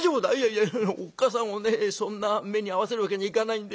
「いやいやあのおっ母さんをねそんな目に遭わせるわけにはいかないんで。